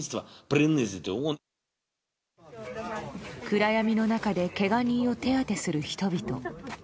暗闇の中でけが人を手当てする人々。